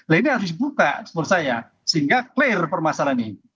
nah ini harus dibuka menurut saya sehingga clear permasalahan ini